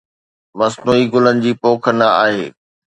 مصنوعي گلن جي بوء نه آهي.